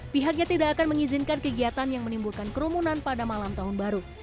pihaknya tidak akan mengizinkan kegiatan yang menimbulkan kerumunan pada malam tahun baru